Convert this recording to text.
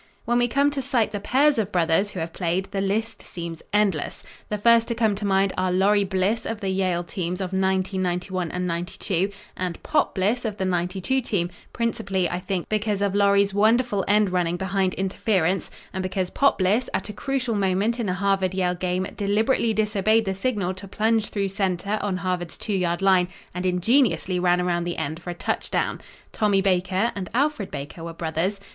When we come to cite the pairs of brothers who have played, the list seems endless. The first to come to mind are Laurie Bliss of the Yale teams of '90, '91 and '92 and "Pop" Bliss of the '92 team, principally, I think, because of Laurie's wonderful end running behind interference and because "Pop" Bliss, at a crucial moment in a Harvard Yale game deliberately disobeyed the signal to plunge through centre on Harvard's 2 yard line and ingeniously ran around the end for a touchdown. Tommy Baker and Alfred Baker were brothers.